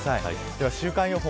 では週間予報。